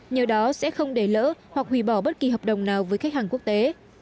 nhờ đó sẽ không để lỡ hoặc hủy bỏ bất kỳ hợp đồng nào với khách hàng quốc tế